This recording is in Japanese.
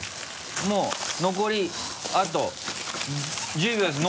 もう残りあと１０秒です。